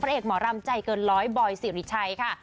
เอกหมอรำใจเกินร้อยบอยสิริชัยค่ะ